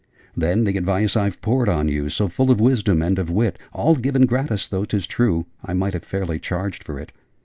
'Then the advice I've poured on you, So full of wisdom and of wit: All given gratis, though 'tis true I might have fairly charged for it!